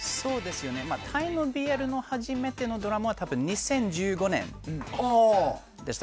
タイのＢＬの初めてのドラマは多分、２０１５年でした。